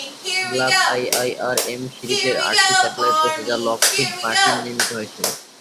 Block IIRM সিরিজের আটটি satellite রয়েছে, যা লকহিড মার্টিন নির্মিত হয়েছিল।